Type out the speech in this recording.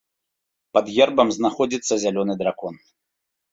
Пад гербам знаходзіцца зялёны дракон.